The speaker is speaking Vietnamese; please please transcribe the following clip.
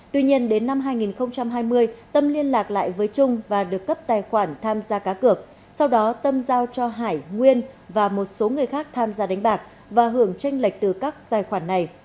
tuy nhiên đến năm hai nghìn hai mươi tâm liên lạc lại với trung và được cấp tài khoản tham gia cá cược sau đó tâm giao cho hải nguyên và một số người khác tham gia đánh bạc và hưởng tranh lệch từ các tài khoản này